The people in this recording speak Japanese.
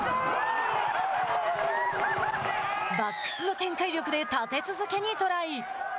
バックスの展開力で立て続けにトライ。